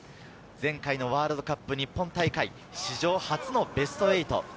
前回ワールドカップ日本大会、史上初のベスト８。